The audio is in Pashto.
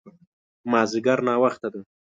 مازديګر ناوخته ده